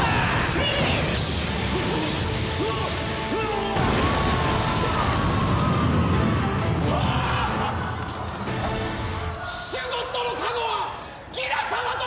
シュゴッドの加護はギラ様とともにある！